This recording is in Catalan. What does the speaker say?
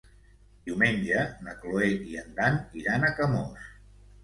Diumenge na Cloè i en Dan iran a Camós.